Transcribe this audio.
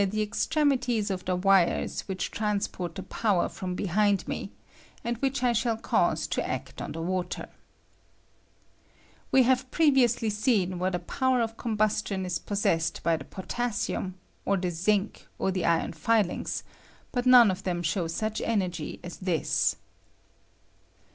J I THE VOLTAIC BATTEET. 9S extremities of ib.e wirea which transport the pov toa con ziii( sue] con I I power from behind me, and which I shall cause to act on the water. "We have previously seen what a power of combustion ie possessed by the potassium, or the zinc, or the iron filings ; but none of them show fluch energy as this.